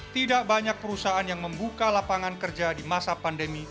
tidak banyak perusahaan yang membuka lapangan kerja di masa pandemi